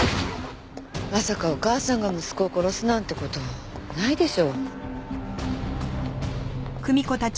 まさかお母さんが息子を殺すなんて事ないでしょ。